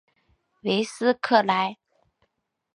韦斯克莱。